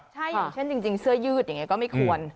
ใช่เช่นเช่นเชื้อยืดอย่างนี้ก็ไม่ควร